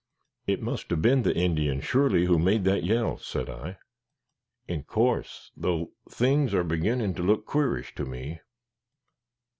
"It must have been the Indian, surely, who made that yell," said I. "In course; though things are beginnin' to look qua'rish to me."